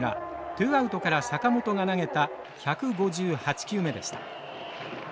ツーアウトから坂本が投げた１５８球目でした。